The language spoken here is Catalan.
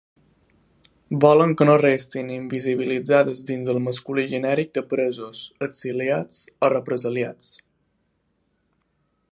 Volen que no restin invisibilitzades dins el masculí genèric de presos, exiliats o represaliats.